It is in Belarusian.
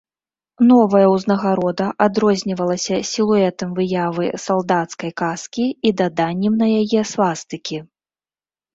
Новая узнагарода адрознівалася сілуэтам выявы салдацкай каскі і даданнем на яе свастыкі.